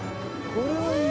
これいい。